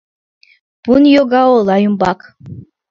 Пун йога ола ӱмбак.